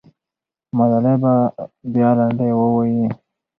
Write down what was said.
ملالۍ به بیا لنډۍ ووایي.